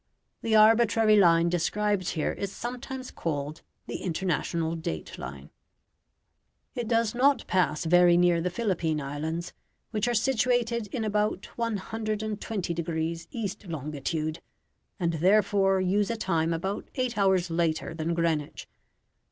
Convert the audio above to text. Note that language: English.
The arbitrary line described here is sometimes called the International Date Line. It does not pass very near the Philippine Islands, which are situated in about 120 degrees east longitude, and, therefore, use a time about eight hours later than Greenwich.